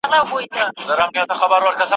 د زکندن شپو ته مي مه نیسه بخیلي سترګي